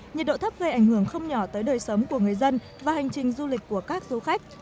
nhiệt độ thấp gây ảnh hưởng không nhỏ tới đời sống của người dân và hành trình du lịch của các du khách